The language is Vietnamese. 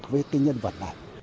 với cái nhân vật này